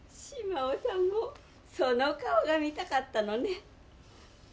島尾さんもその顔が見たかったのね。